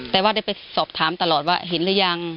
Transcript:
แต่ว่าได้ไปสอบถามตลอดว่าเห็นหรือยัง